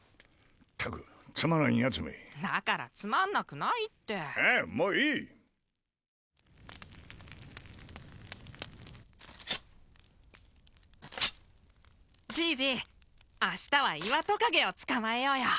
ったくつまらんヤツめだからつまんなくないってあもういいじいじ明日は岩トカゲを捕まえようよ